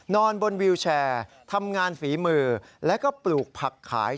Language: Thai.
นอนบนวิวแชร์ทำงานฝีมือแล้วก็ปลูกผักขาย